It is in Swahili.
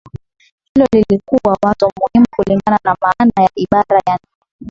hilo lilikuwa wazo muhimu kulingana na maana ya ibara ya nne